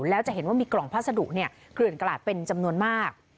แล้วจะเห็นว่ามีกล่องพัสดุเกลื่อนกลาดเป็นจำนวนมาก